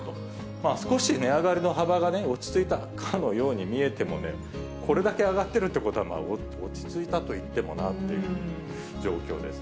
少し値上がりの幅が落ち着いたかのように見えてもね、これだけ上がってるってことは、落ち着いたといってもなっていう状況です。